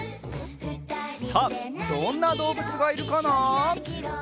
さあどんなどうぶつがいるかな？